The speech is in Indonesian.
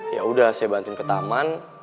ya udah saya bantuin ke taman